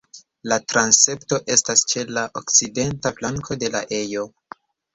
La transepto estas ĉe la okcidenta flanko de la ejo.